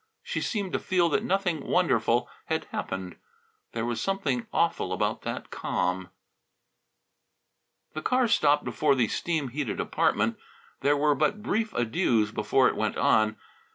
She seemed to feel that nothing wonderful had happened. There was something awful about that calm. The car stopped before the steam heated apartment. There were but brief adieus before it went on.